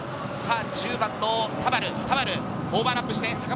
１０番の田原、オーバーラップして、坂本。